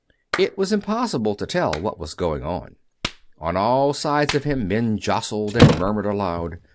It was impossible to tell what was going on. On all sides of him men jostled and murmured aloud.